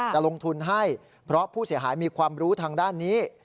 จะลงทุนให้เพราะผู้เสียหายมีความรู้ทางด้านนี้